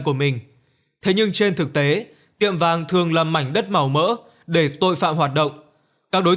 của mình thế nhưng trên thực tế tiệm vàng thường là mảnh đất màu mỡ để tội phạm hoạt động các đối